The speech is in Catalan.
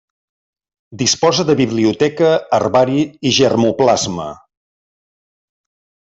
Disposa de biblioteca, herbari i germoplasma.